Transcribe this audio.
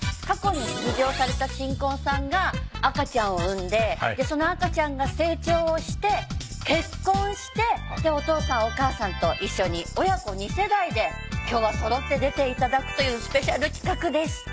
過去に出場された新婚さんが赤ちゃんを産んでその赤ちゃんが成長をして結婚してお父さん・お母さんと一緒に親子二世代で今日はそろって出て頂くというスペシャル企画です